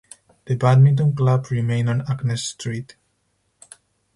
The badminton club remained on Agnes Street.